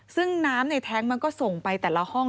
ซึ่งน้ำในแท้งมันก็ส่งไปแต่ละห้อง